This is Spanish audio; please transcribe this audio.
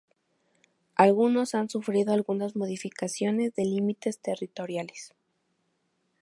Algunos han sufrido algunas modificaciones de límites territoriales.